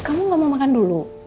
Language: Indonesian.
kamu gak mau makan dulu